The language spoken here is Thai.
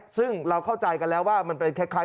ซึ่งเราเข้าใจกันแล้วว่ามันเป็นคล้ายชุดไว้น้ำ